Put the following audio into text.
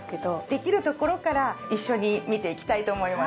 できるところから一緒に見ていきたいと思います。